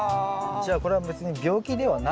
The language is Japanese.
じゃあこれは別に病気ではない？